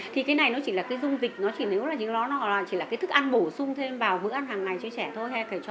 thì cái này nó chỉ là cái dung dịch nó chỉ là cái thức ăn bổ sung thêm vào bữa ăn hàng ngày cho trẻ thôi hay cho người lớn thôi